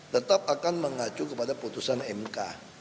tetap akan mengacu kepada putusan mk